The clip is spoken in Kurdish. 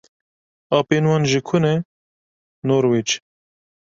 Apên wan ji ku ne? "Norwêc."